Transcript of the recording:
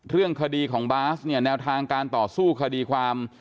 เรื่องคดีของบาสเนี่ยแนวทางการต่อสู้คดีความ